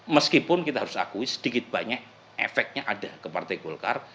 meskipun kita harus akui sedikit banyak efeknya ada ke partai golkar